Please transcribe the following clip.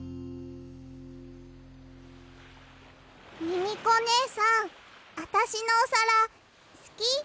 ミミコねえさんあたしのおさらすき？